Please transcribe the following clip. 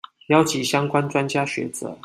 邀集相關專家學者